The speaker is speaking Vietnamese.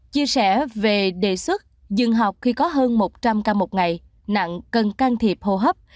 chia sẻ về đề xuất dừng học khi có hơn một trăm linh ca một ngày nặng cần can thiệp hô hấp